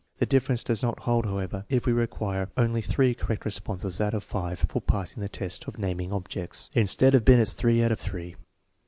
This difference does not hold, however, if we re quire only three correct responses out of five for passing the test of naming objects, instead of Binet's three out of three.